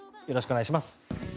よろしくお願いします。